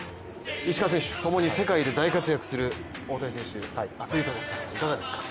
石川選手、ともに世界で大活躍する大谷選手アスリートですがいかがですか？